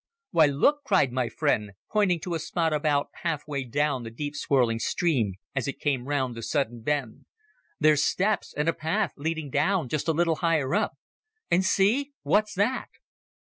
"Why, look!" cried my friend, pointing to a spot about half way down the deep swirling stream as it came round the sudden bend, "there's steps and a path leading down just a little higher up. And see! what's that?"